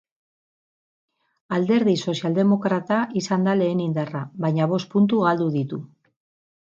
Alderdi sozialdemokrata izan da lehen indarra, baina bost puntu galdu ditu.